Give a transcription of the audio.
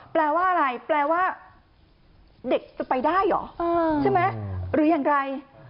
แปลว่าอะไรแปลว่าเด็กจะไปได้เหรอใช่ไหมหรืออย่างไร